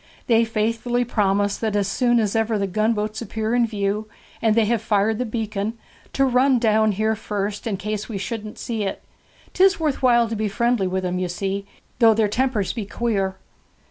They faithfully promise that as soon as ever the gunboats appear in view, and they have fired the beacon, to run down here first, in case we shouldn't see it. 'Tis worth while to be friendly with 'em, you see, though their tempers be queer.'